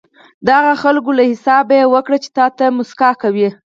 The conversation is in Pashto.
د هغه خلکو له حسابه یې وکړئ چې تاته موسکا کوي.